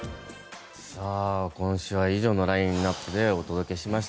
今週は以上のラインアップでお届けしました。